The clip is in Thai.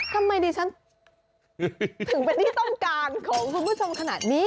ทำไมดิฉันถึงเป็นที่ต้องการของคุณผู้ชมขนาดนี้